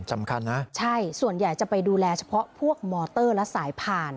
สำคัญนะใช่ส่วนใหญ่จะไปดูแลเฉพาะพวกมอเตอร์และสายผ่าน